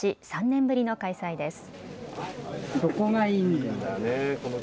３年ぶりの開催です。